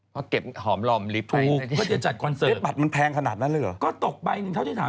เพื่อจะออกบัตรร้ายเที่ยวใช่มะต่อไป๑เท่าที่ถาม